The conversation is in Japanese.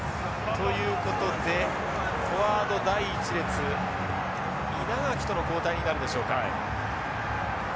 ということでフォワード第１列稲垣との交代になるでしょうか。